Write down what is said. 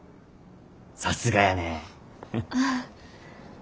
さすがやね。ああ。